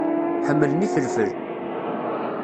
Ḥemmlen ifelfel.